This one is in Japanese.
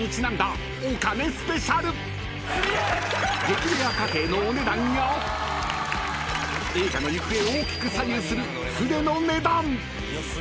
［激レア貨幣のお値段や映画の行方を大きく左右する船の値段］